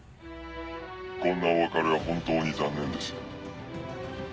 こんなお別れは本当に残念です。